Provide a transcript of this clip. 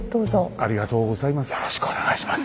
ありがとうございます。